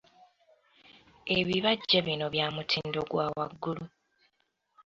Ebibajje bino bya mutindo gwa waggulu.